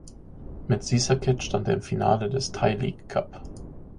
Mit Sisaket stand er im Finale des Thai League Cup.